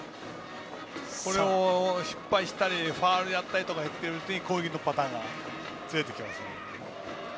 それを失敗したりファウルしたりしているうちに攻撃のパターンが潰れていきます。